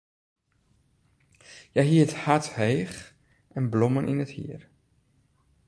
Hja hie it hart heech en blommen yn it hier.